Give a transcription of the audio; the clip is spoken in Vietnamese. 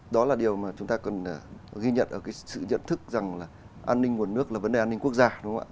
đó là điều mà chúng ta cần ghi nhận ở cái sự nhận thức rằng là an ninh nguồn nước là vấn đề an ninh quốc gia đúng không ạ